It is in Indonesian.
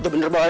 itu bener boy